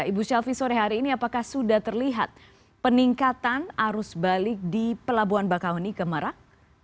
ibu shelfie sore hari ini apakah sudah terlihat peningkatan arus balik di pelabuhan bakauni ke merak